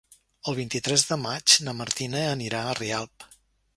El vint-i-tres de maig na Martina anirà a Rialp.